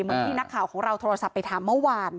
เหมือนที่นักข่าวของเราโทรศัพท์ไปถามเมื่อวาน